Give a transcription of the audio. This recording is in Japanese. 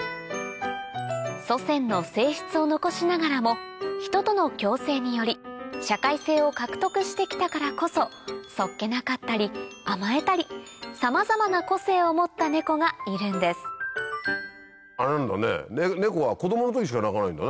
祖先の性質を残しながらもヒトとの共生により社会性を獲得して来たからこそ素っ気なかったり甘えたりさまざまな個性を持ったネコがいるんですネコは子供の時しか鳴かないんだね。